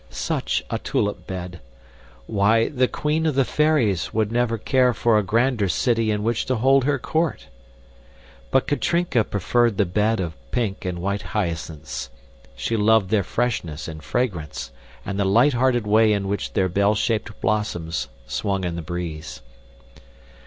Such a tulip bed! Why, the queen of the fairies would never care for a grander city in which to hold her court! But Katrinka preferred the bed of pink and white hyacinths. She loved their freshness and fragrance and the lighthearted way in which their bell shaped blossoms swung in the breeze.